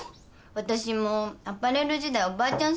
私もアパレル時代おばあちゃん